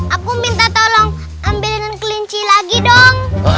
aku minta tolong ambilin kelinci lagi dong